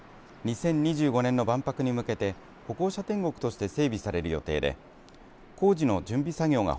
２０２５年の万博に向けて歩行者天国として整備される予定で工事の準備作業が